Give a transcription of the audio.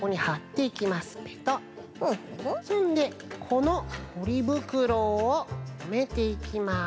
そんでこのポリぶくろをとめていきます。